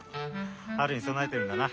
春にそなえてるんだな。